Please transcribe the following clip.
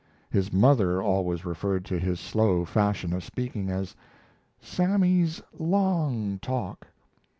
His mother always referred to his slow fashion of speaking as "Sammy's long talk."